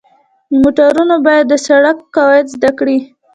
د موټروان باید د سړک قواعد زده کړي.